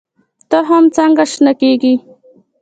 تخم څنګه شنه کیږي؟